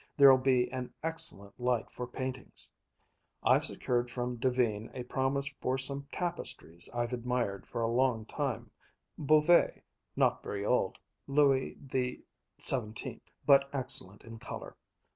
There'll be an excellent light for paintings. I've secured from Duveen a promise for some tapestries I've admired for a long time Beauvais, not very old, Louis XVII but excellent in color.